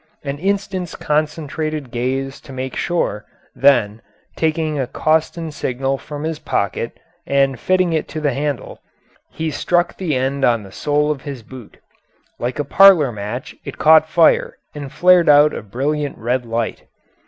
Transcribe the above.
An instant's concentrated gaze to make sure, then, taking a Coston signal from his pocket and fitting it to the handle, he struck the end on the sole of his boot. Like a parlour match it caught fire and flared out a brilliant red light.